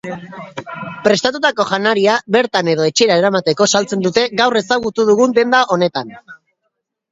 Prestatutako janaria bertan edo etxera eramateko saltzen dute gaur ezagutu dugun denda honetan.